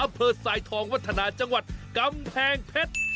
อำเภอสายทองวัฒนาจังหวัดกำแพงเพชร